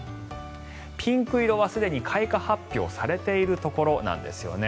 ピンク色はすでに開花発表されているところなんですよね。